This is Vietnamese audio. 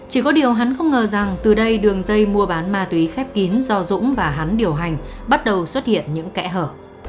chỉ có điều hắn không ngờ rằng từ đây đường dây mua bán ma túy khép kín do dũng và hắn điều hành bắt đầu xuất hiện những kẽ hở